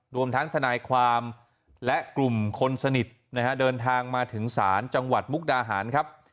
รวมทั้งทนายความและกลุ่มคนสนิทนะฮะเดินทางมาถึงศาลจังหวัดมุกดาหารครับ